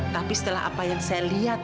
tapi setelah apa yang saya lihat